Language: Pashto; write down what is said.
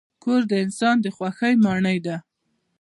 کور د انسان د خوښۍ ماڼۍ ده.